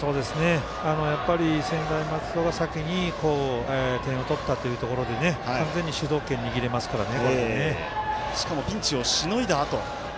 やっぱり専大松戸が先に点を取ったというところで完全に主導権、握れますからね。